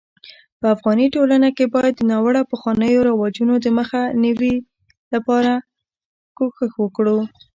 په افغاني ټولنه کي بايد د ناړوه پخوانيو رواجونو دمخ نيوي لپاره کوښښ وکړو